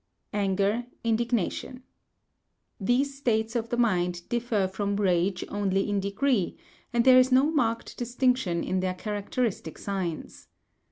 Anger, Indignation.—These states of the mind differ from rage only in degree, and there is no marked distinction in their characteristic signs.